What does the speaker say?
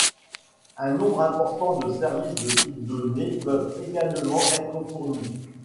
Un nombre important de services de type données peuvent également être fournis.